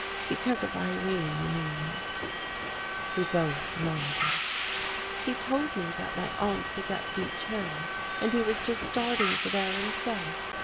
" Because of Irene, you mean." We both nodded. " He told me that my aunt was at Beech Hill and he was just starting for there himself.